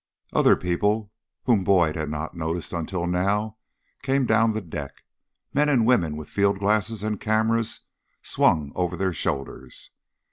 Other people, whom Boyd had not noticed until now, came down the deck men and women with field glasses and cameras swung over their shoulders.